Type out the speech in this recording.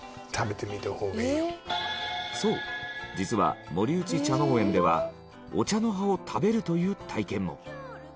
そう実は森内茶農園ではお茶の葉を食べるという体験も。